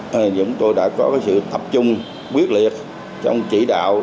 vì vậy chúng tôi đã có sự tập trung quyết liệt trong chỉ đạo